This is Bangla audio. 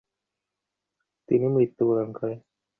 তিনি মৃত্যু বরণ করেন।